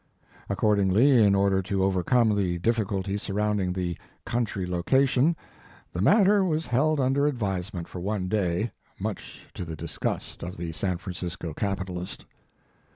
Accordingly, in order to overcome the difficulty surrounding the "country" location, the matter was held 48 Mark Twain under advisement for one day, much to the disgust of the San Francisco capitalist.